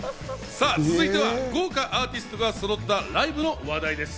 続いては豪華アーティストがそろったライブの話題です。